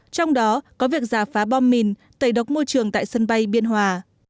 trong đó có việc giả phá bom mìn tẩy độc môi trường tại sân bay biên hòa